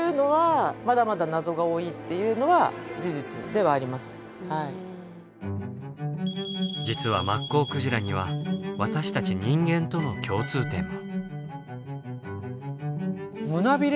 でも何でそんなに実はマッコウクジラには私たち人間との共通点も。